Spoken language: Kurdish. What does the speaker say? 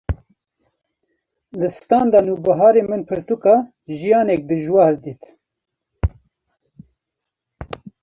li standa Nûbiharê min pirtûka “Jiyanek Dijwar” dît